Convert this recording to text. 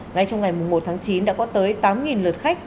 ngay trong ngày một tháng chín đã có tới tám lượt khách